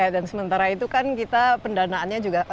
dan sementara itu kan kita pendanaannya juga